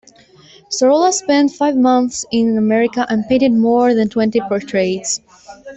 Sorolla spent five months in America and painted more than twenty portraits.